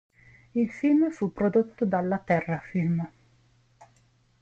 Il film fu prodotto dalla Terra-Film.